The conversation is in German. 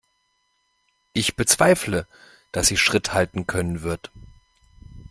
Ich bezweifle, dass sie Schritt halten können wird.